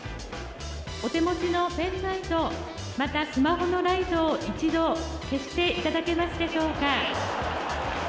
お手持ちのペンライト、またスマホのライトを一度消していただけますでしょうか。